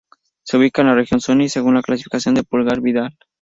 Se ubica en la región Suni, según la clasificación de Pulgar Vidal.